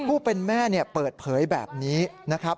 ผู้เป็นแม่เปิดเผยแบบนี้นะครับ